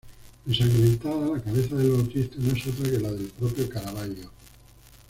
Ensangrentada, la cabeza del Bautista no es otra que la del propio Caravaggio.